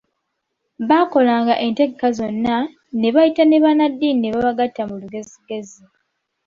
Baakolanga entegeka zonna, ne bayita ne bannaddiini ne babagatta mu lugezigezi.